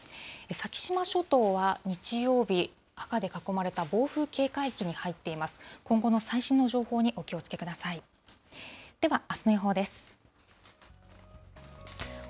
先島諸島は日曜日、赤で囲まれた暴風警戒域に入っています。